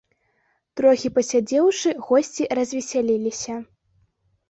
Трохі пасядзеўшы, госці развесяліліся.